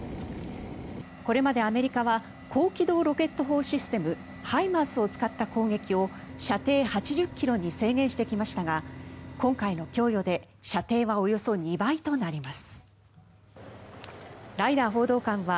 これまでアメリカは高機動ロケット砲システムＨＩＭＡＲＳを使った攻撃を射程８０ｋｍに制限してきましたが今回の供与で射程はおよそ２倍となります。